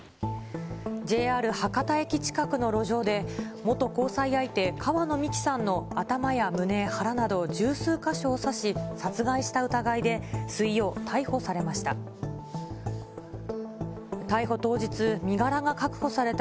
ＪＲ博多駅近くの路上で、元交際相手、川野美樹さんの頭や胸、腹など十数か所を刺し、殺害した疑いで、水曜、逮捕されました。